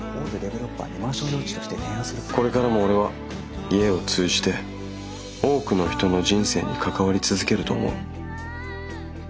これからも俺は家を通じて多くの人の人生に関わり続けると思う。